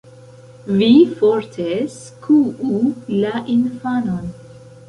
Vi forte skuu la infanon